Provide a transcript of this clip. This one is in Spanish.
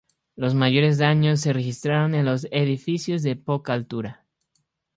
Los mayores daños se registraron en los edificios de poca altura.